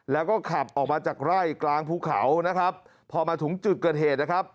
แล้วก็ขับออกมาจากไร่กลางภูเขานะครับพอมาถึงจุดเกิดเหตุนะครับ